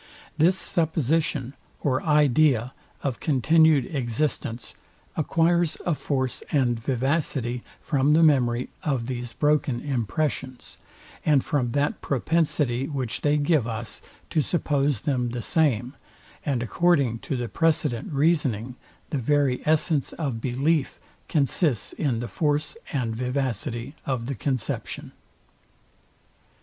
This supposition, or idea of continued existence, acquires a force and vivacity from the memory of these broken impressions, and from that propensity, which they give us, to suppose them the same; and according to the precedent reasoning, the very essence of belief consists in the force and vivacity of the conception.